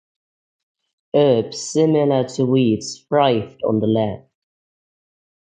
Herbs, similar to weeds, thrived on the land.